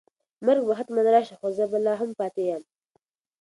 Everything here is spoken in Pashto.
مرګ به حتماً راشي خو زه به لا هم پاتې یم.